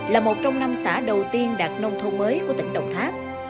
là một trong năm xã đầu tiên đạt nông thôn mới của tỉnh đồng tháp